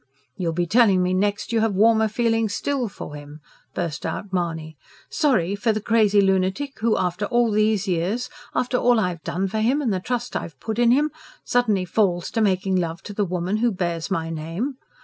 "You'll be telling me next you have warmer feelings still for him!" burst out Mahony. "Sorry for the crazy lunatic who, after all these years, after all I've done for him and the trust I've put in him, suddenly falls to making love to the woman who bears my name?